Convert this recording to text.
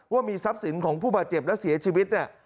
ว่ามีทรัพย์สินของผู้บาดเจ็บและเสียชีวิตเนี่ย